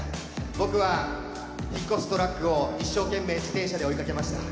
僕は引っ越すトラックを一生懸命自転車で追いかけました。